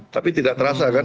tapi tidak terasa kan